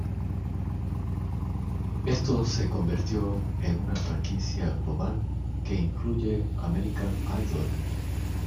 Esto se convirtió en una franquicia global que incluye American Idol.